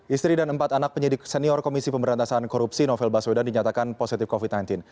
istri dan empat anak penyidik senior komisi pemberantasan korupsi novel baswedan dinyatakan positif covid sembilan belas